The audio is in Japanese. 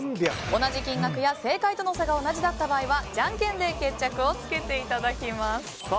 同じ金額や正解との差が同じだった場合は、じゃんけんで決着をつけていただきます。